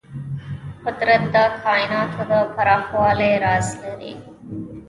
قدرت د کایناتو د پراخوالي راز لري.